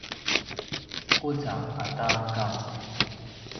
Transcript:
quzang ata gang